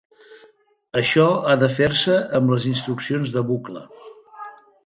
Això ha de fer-se amb les instruccions de bucle.